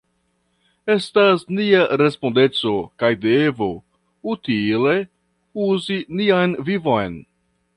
Estas nia respondeco kaj devo utile uzi nian vivon.